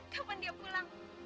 kapan dia pulang